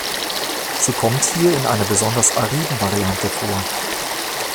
Sie kommt hier in einer besonders ariden Variante vor.